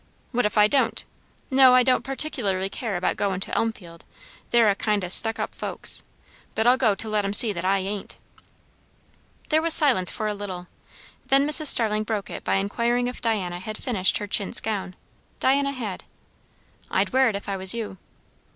"What if I don't? No, I don't care particularly about goin' to Elmfield; they're a kind o' stuck up folks; but I'll go to let them see that I ain't." There was silence for a little; then Mrs. Starling broke it by inquiring if Diana had finished her chintz gown. Diana had. "I'd wear it, if I was you."